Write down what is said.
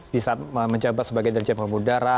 di saat menjabat sebagai dirjen pemudara